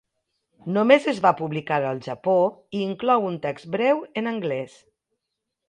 Només es va publicar al Japó i inclou un text breu en anglès.